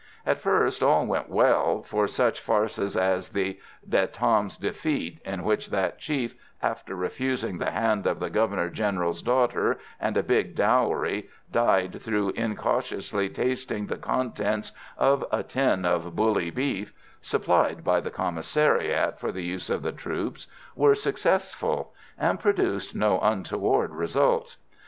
At first all went well, for such farces as The De Tam's Defeat, in which that chief, after refusing the hand of the Governor General's daughter and a big dowry, died through incautiously tasting the contents of a tin of bully beef, supplied by the Commissariat for the use of the troops, were successful, and produced no untoward results.